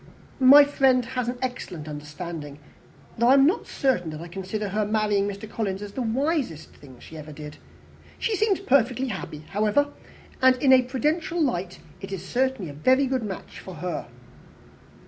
My friend has an excellent understanding though I am not certain that I consider her marrying Mr. Collins as the wisest thing she ever did. She seems perfectly happy, however; and, in a prudential light, it is certainly a very good match for her."